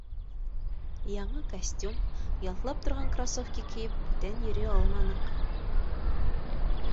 Яңы костюм, ялтлап торған кроссовки кейеп бүтән йөрөй алманыҡ.